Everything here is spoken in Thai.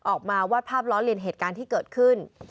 ออกมาวาดภาพล้อเลียนเหตุการณ์ที่เกิดขึ้น